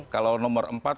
kalau nomor empat